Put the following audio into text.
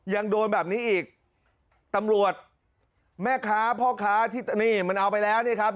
ยังโดนแบบนี้อีกตำรวจแม่ค้าพ่อค้าที่นี่มันเอาไปแล้วนี่ครับ